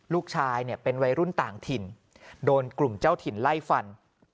ลูกชายเนี่ยเป็นวัยรุ่นต่างถิ่นโดนกลุ่มเจ้าถิ่นไล่ฟัน